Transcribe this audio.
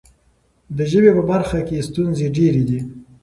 د ژبې په برخه کې ستونزې ډېرې دي.